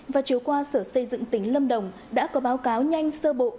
và chiều qua sở xây dựng tỉnh lâm đồng đã có báo cáo nhanh sơ bộ